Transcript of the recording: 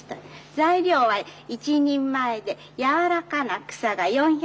材料は１人前でやわらかな草が４００キロ。